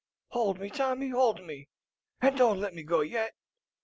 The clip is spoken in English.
hold me, Tommy, hold me, and don't let me go yet.